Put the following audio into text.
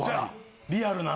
リアルな。